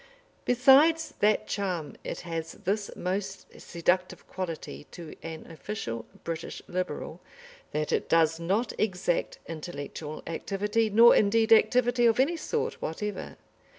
Besides that charm it has this most seductive quality to an official British Liberal, that it does not exact intellectual activity nor indeed activity of any sort whatever.